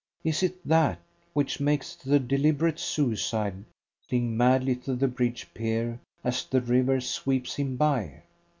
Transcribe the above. Is it that which makes the deliberate suicide cling madly to the bridge pier as the river sweeps him by?